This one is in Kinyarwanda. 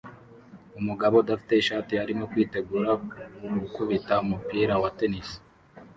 Umugabo udafite ishati arimo kwitegura gukubita umupira wa tennis